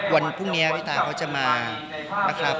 วันพรุ่งนี้พี่ตาเขาจะมานะครับ